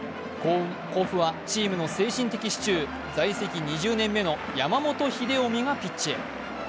甲府はチームの精神的支柱在籍２０年目の山本英臣がピッチへ。